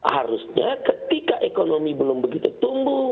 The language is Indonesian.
harusnya ketika ekonomi belum begitu tumbuh